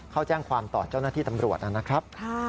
เขาแจ้งความต่อเจ้าหน้าที่ตำรวจนะครับ